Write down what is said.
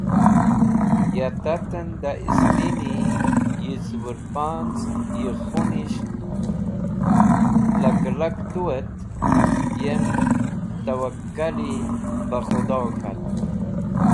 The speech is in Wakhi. Ya taten da istin yi cũbũrpanz̃ yikhunish laklak tu et yem tawwakali ba Khudo k̃hat.